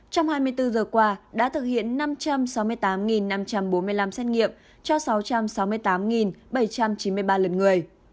trong hai mươi bốn giờ qua đã thực hiện năm trăm sáu mươi tám năm trăm bốn mươi năm xét nghiệm cho sáu trăm sáu mươi tám bảy trăm chín mươi ba lần người